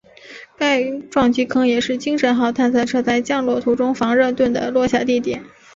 该撞击坑也是精神号探测车在降落途中防热盾的落下地点。